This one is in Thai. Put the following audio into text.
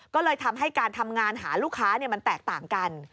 ก็เลยทำให้การทำงานหาลูกค้ามันแตกต่างกัน